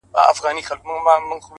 هڅاند ذهن د خنډونو بندیوان نه وي,